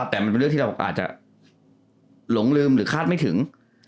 แต่มันเป็นเรื่องที่เราอาจจะหลงลืมหรือคาดไม่ถึง